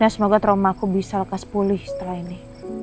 semoga trauma aku bisa lekas pulih setelah ini